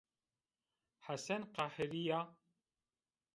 Hesen qehirîya